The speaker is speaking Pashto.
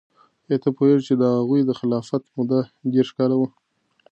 آیا ته پوهیږې چې د هغوی د خلافت موده دیرش کاله وه؟